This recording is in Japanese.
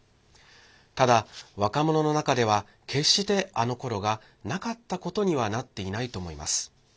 ただ、若者の中では決してあのころがなかったことにはなっていないと思います。